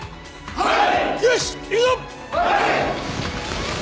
はい。